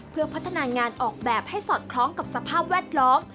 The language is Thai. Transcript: เพื่อพัฒนางานออกแบบให้สอดคล้องกับสภาพแวดล้อม